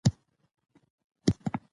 پښتو به انګریزانو، روسانو پولېنډو ناروېژو